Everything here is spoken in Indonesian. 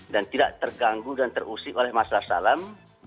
dan tidak terganggu dan terusik oleh masalah salam